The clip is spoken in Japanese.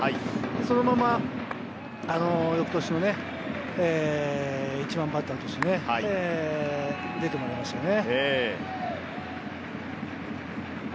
そのまま翌年の１番バッターとして出てもらいましたね。